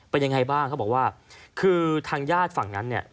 เป็นยังไงบ้างเขาบอกว่าคือทางญาติฝั่งนั้นเนี่ย